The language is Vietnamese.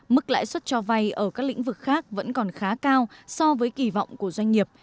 mức lãi suất cho vay ở các lĩnh vực khác vẫn còn khá cao so với kỳ vọng của doanh nghiệp